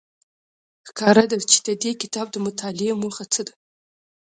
ښکاره ده چې د دې کتاب د مطالعې موخه څه ده